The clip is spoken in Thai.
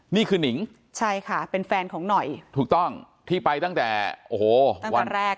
นี่คือนิงใช่ค่ะเป็นแฟนของหน่อยถูกต้องที่ไปตั้งแต่โอ้โหวันแรก